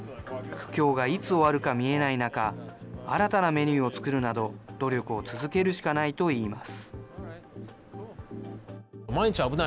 苦境がいつ終わるか見えない中、新たなメニューを作るなど、努力を続けるしかないといいます。